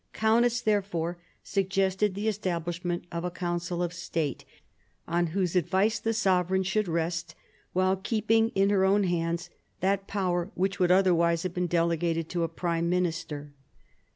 Kaunitz therefore suggested the establish ment of a Council of State, on whose advice the sovereign should rest, while keeping in her own hands that power which would otherwise have been delegated to a Prime Minister.